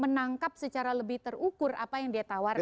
menangkap secara lebih terukur apa yang dia tawarkan